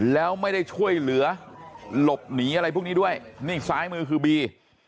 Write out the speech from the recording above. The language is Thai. แล้วไม่ได้ช่วยเหลือหลบหนีอะไรพวกนี้ด้วยนี่ซ้ายมือคือบี